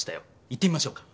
言ってみましょうか？